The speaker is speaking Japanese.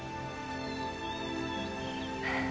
はあ。